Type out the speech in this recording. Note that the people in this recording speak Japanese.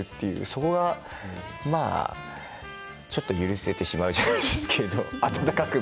それがちょっと許せてしまうじゃないですけど温かく